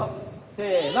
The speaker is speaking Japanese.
せの！